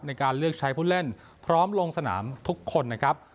ในการเลือกใช้ผู้เล่นพร้อมลงสนามทุกคนนะครับ